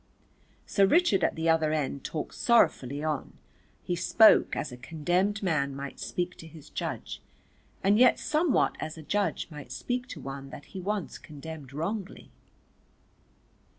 Sir Richard at the other end talked sorrowfully on, he spoke as a condemned man might speak to his judge, and yet somewhat as a judge might speak to one that he once condemned wrongly.